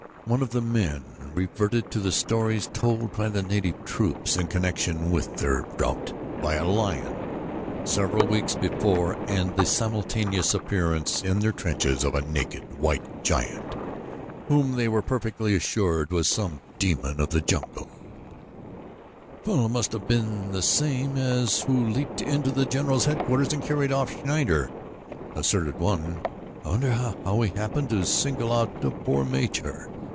One of the men reverted to the stories told by the native troops in connection with their rout by a lion several weeks before and the simultaneous appearance in their trenches of a naked, white giant whom they were perfectly assured was some demon of the jungle. "The fellow must have been the same as he who leaped into the general's headquarters and carried off Schneider," asserted one. "I wonder how he happened to single out the poor major.